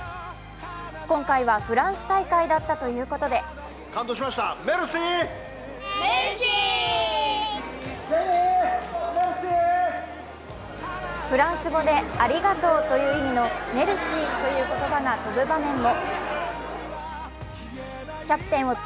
今回はフランス大会だったということでフランス語で「ありがとう」という意味のメルシーという言葉が飛ぶ場面も。